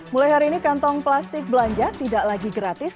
mulai hari ini kantong plastik belanja tidak lagi gratis